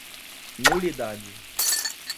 nulidade